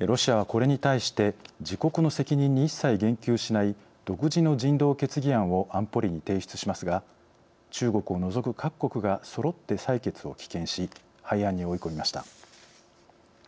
ロシアは、これに対して自国の責任に一切言及しない独自の人道決議案を安保理に提出しますが中国を除く各国がそろって採決を棄権し廃案に追い込みました。